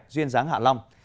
duyên giáng hạ long